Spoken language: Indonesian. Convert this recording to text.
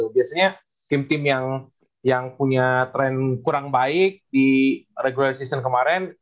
biasanya tim tim yang punya tren kurang baik di regulation kemarin